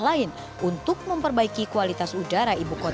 lain untuk memperbaiki kualitas udara ibu kota